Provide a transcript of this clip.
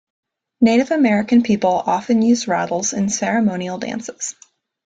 Native American people often use rattles in ceremonial dances.